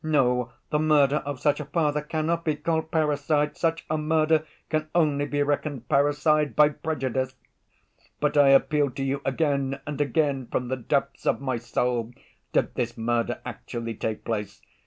No, the murder of such a father cannot be called parricide. Such a murder can only be reckoned parricide by prejudice. "But I appeal to you again and again from the depths of my soul; did this murder actually take place?